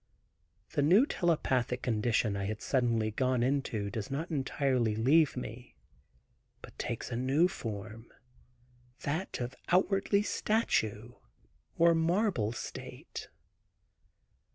The new telepathic condition I had suddenly gone into does not entirely leave me. But takes a new form, that of outwardly statue or marble state.